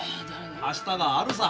明日があるさ。